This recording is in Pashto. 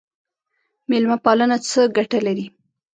میلمه پالنه څه ګټه لري؟